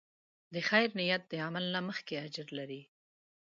د خیر نیت د عمل نه مخکې اجر لري.